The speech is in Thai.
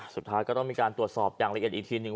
สุดท้ายก็ต้องมีการตรวจสอบอย่างละเอียดอีกทีหนึ่ง